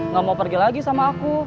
gak mau pergi lagi sama aku